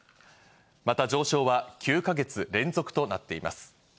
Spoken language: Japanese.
また上昇は９か月連続となっています。